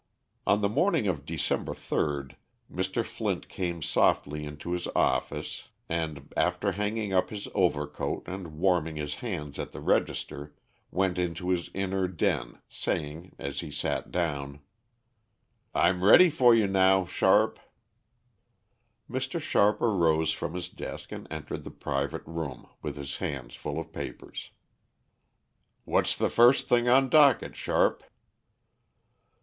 On the morning of December 3d, Mr. Flint came softly into his office and, after hanging up his overcoat and warming his hands at the register, went into his inner den, saying, as he sat down: "I'm ready for you now, Sharp." Mr. Sharp arose from his desk and entered the private room, with his hands full of papers. "What's the first thing on docket, Sharp?"